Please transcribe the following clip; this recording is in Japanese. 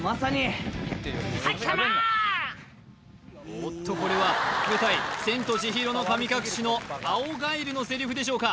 おっとこれは舞台「千と千尋の神隠し」の青蛙のセリフでしょうか